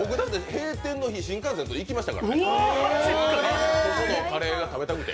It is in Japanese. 閉店のとき、僕、新幹線で行きましたからね、ここのカレーが食べたくて。